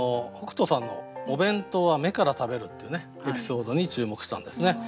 北斗さんのお弁当は目から食べるっていうねエピソードに注目したんですね。